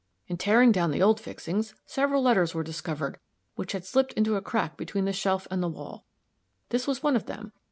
In tearing down the old fixings, several letters were discovered which had slipped into a crack between the shelf and wall. This was one of them.